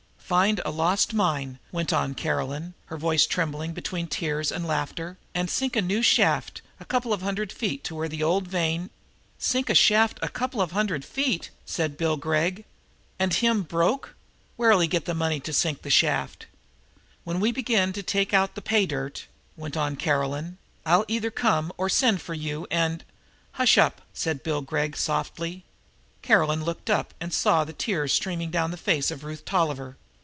"Find a lost mine," went on Caroline, her voice trembling between tears and laughter, "and sink a new shaft, a couple of hundred feet to find where the old vein " "Sink a shaft a couple of hundred feet!" said Bill Gregg. "And him broke! Where'll he get the money to sink the shaft?" "When we begin to take out the pay dirt," went on Caroline, "I'll either come or send for you and " "Hush up!" said Bill Gregg softly. Caroline looked up and saw the tears streaming down the face of Ruth Tolliver.